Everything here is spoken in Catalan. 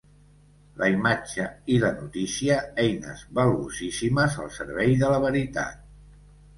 La imatge i la notícia, eines valuosíssimes al servei de la veritat.